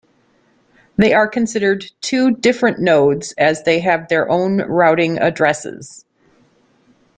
They are considered two different nodes as they have their own routing addresses.